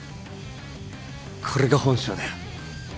これが本性だよ。